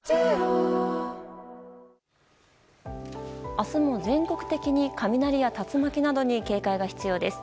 明日も全国的に雷や竜巻などに警戒が必要です。